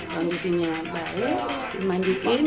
kondisinya baik dimandikan